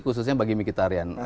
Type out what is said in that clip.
khususnya bagi mkhitaryan